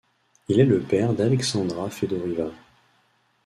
Il est le père d'Aleksandra Fedoriva.